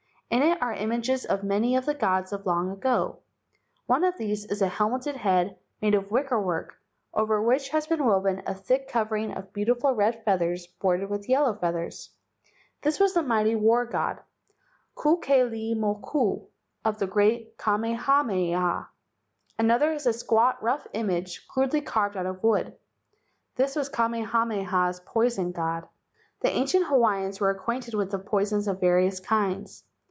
In it are images of many of the gods of long ago. One of these is a helmeted head made of wicker work, over which has been woven a thick covering of beau¬ tiful red feathers bordered with yellow feathers. This was the mighty war god, Kukailimoku, of the great Kamehameha. Another is a squat rough image, crudely carved out of wood. This was Kamehameha's poison god. The ancient Hawaiians were acquainted with poisons of various kinds.